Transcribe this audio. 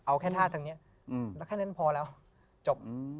เอาแค่ท่าทางนี้แล้วแค่นั้นพอแล้วจบ